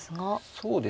そうですね。